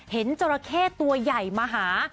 จราเข้ตัวใหญ่มาหา